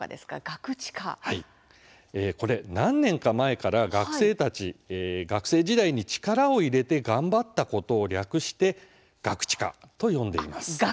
何年か前から、学生たち学生時代に力を入れて頑張ったことを略してガクチカと呼んでいます。